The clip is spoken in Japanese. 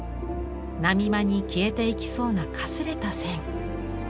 波間に消えていきそうなかすれた線。